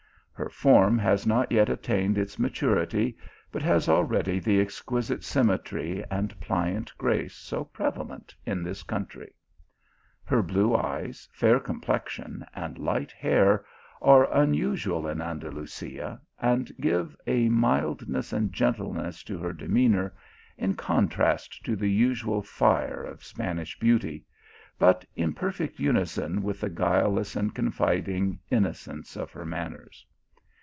Her form has not yet attained its maturity, but has al ready the exquisite symmetry and pliant grace so prevalent in this country. Her blue eyes, fair com plexion, and light hair are unusual in Andalusia, and give a mildness and gentleness to her demeanour, in contrast to the usual fire of Spanish beauty, but in perfect unison with the guileless and confiding inno cence of her manners.